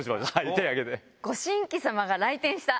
手挙げて。